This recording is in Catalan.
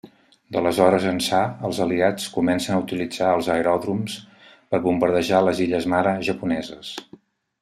D'aleshores ençà els aliats comencen a utilitzar els aeròdroms per bombardejar les illes mare japoneses.